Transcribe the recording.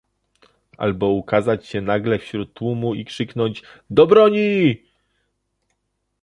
"Albo ukazać się nagle wśród tłumu i krzyknąć: „do broni!”."